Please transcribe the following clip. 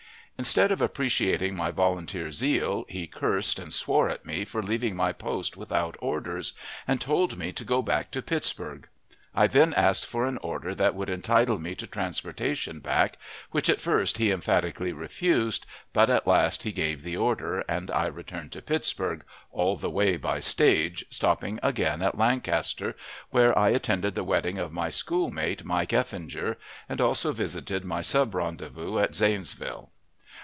Instead of appreciating my volunteer zeal, he cursed and swore at me for leaving my post without orders, and told me to go back to Pittsburg. I then asked for an order that would entitle me to transportation back, which at first he emphatically refused, but at last he gave the order, and I returned to Pittsburg, all the way by stage, stopping again at Lancaster, where I attended the wedding of my schoolmate Mike Effinger, and also visited my sub rendezvous at Zanesville.